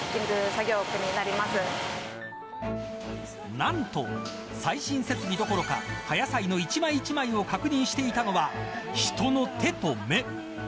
何と最新設備どころか葉野菜の一枚一枚を確認していたのは人の手と目。